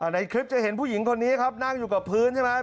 ในคลิปจะเห็นผู้หญิงคนนี้ครับนั่งอยู่กับพื้นใช่ไหม